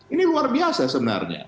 ini luar biasa sebenarnya